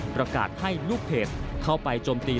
ประกาศให้ลูกเพจเข้าไปโจมตี